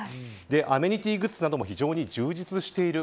アメニティーグッズなども非常に充実している。